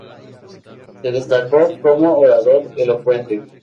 Se destacó como orador elocuente.